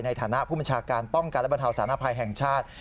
ในฐานะผู้บัญชาการป้องกันและบรรเทาสารภัยแห่งชาติ